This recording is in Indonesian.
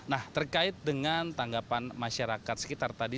nah terkait dengan tanggapan masyarakat sekitar tadi